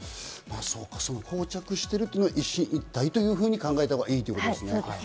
こう着しているというのは、一進一退と考えたほうがいいということですね。